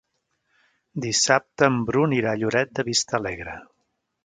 Dissabte en Bru anirà a Lloret de Vistalegre.